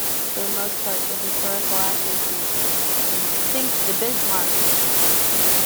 For the most part, the historical accuracy in Sink the Bismarck!